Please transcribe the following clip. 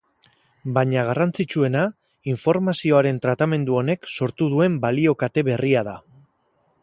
Baina garrantzitsuena informazioaren tratamendu honek sortu duen balio-kate berria da.